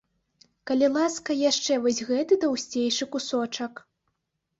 Калі ласка, яшчэ вось гэты таўсцейшы кусочак.